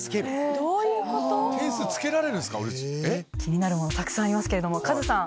気になるものたくさんありますけどもカズさん